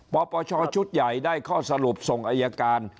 ปปชชุดใหญ่ได้ข้อสรุปส่งอายการ